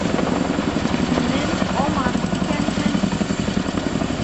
Имен-аман икәнһең.